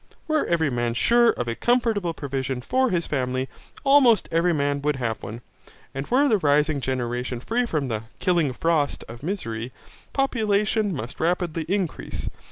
Were every man sure of a comfortable provision for his family, almost every man would have one, and were the rising generation free from the 'killing frost' of misery, population must rapidly increase.